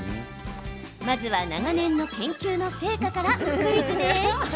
まずは、長年の研究の成果からクイズです。